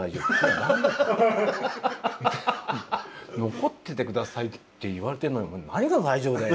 「残ってて下さいって言われてるのに何が大丈夫だよ！」